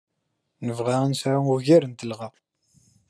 Nebɣa ad nesɛu ugar n telɣa.